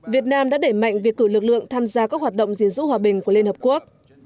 việt nam đã để mạnh việc cử lực lượng tham gia các hoạt động gìn giữ hòa bình của liên hợp quốc